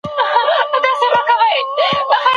ما ډوډۍ پخه کړې ده.